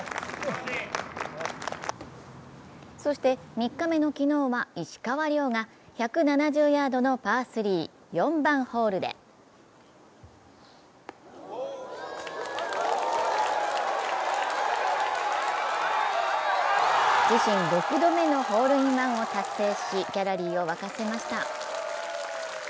そして、３日目の昨日は石川遼が１７０ヤードのパー３、４番ホールで自身６度目のホールインワンを達成しギャラリーを沸かせました。